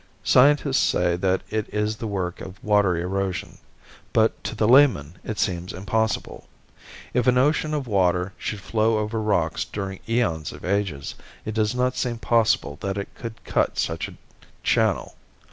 Scientists say that it is the work of water erosion, but to the layman it seems impossible. If an ocean of water should flow over rocks during eons of ages it does not seem possible that it could cut such a channel.